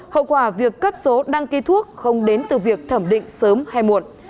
hậu quả việc cấp số đăng ký thuốc không đến từ việc thẩm định sớm hay muộn